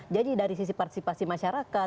jadi dari sisi partisipasi masyarakat